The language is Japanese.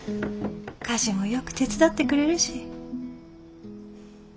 家事もよく手伝ってくれるし。